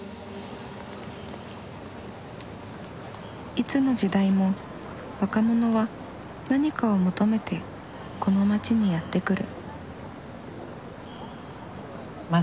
いつの時代も若者は何かを求めてこの街にやって来る。